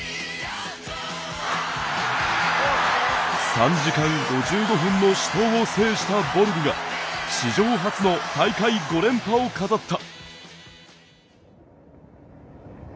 ３時間５５分の死闘を制したボルグが史上初の大会５連覇を飾った。